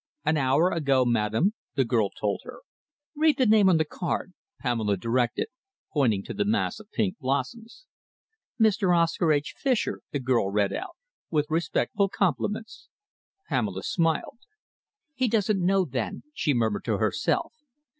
"An hour ago, madam," the girl told her. "Read the name on the card," Pamela directed, pointing to the mass of pink blossoms. "Mr. Oscar H. Fischer," the girl read out, "with respectful compliments." Pamela smiled. "He doesn't know, then," she murmured to herself.